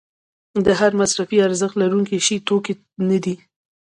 خو هر مصرفي ارزښت لرونکی شی توکی نه دی.